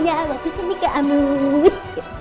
aya allah bismillahirrahmanirrahim